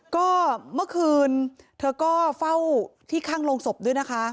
ก็เมื่อคืนเธอก็เฝ้าที่ข้างโรงศพด้วยนะคะ